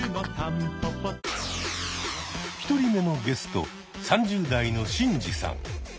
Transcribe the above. １人目のゲスト３０代のシンジさん。